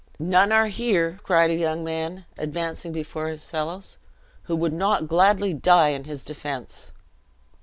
"None are her," cried a young man, advancing before his fellows, "who would not gladly die in his defense."